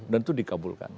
dan itu dikabulkan